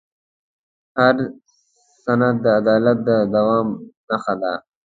هر سند د عدالت د دوام نښه وه.